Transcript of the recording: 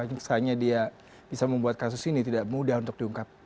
misalnya dia bisa membuat kasus ini tidak mudah untuk diungkap